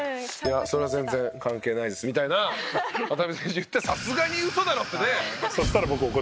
それは全然関係ないですみたいな渡邊選手が言ったらさすがにウソだろ！ってね。